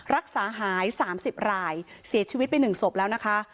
รักษาหายสามสิบรายเสียชีวิตเป็นหนึ่งศพแล้วนะคะ